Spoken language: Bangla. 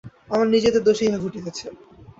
আমাদের নিজেদের দোষেই ইহা ঘটিতেছে।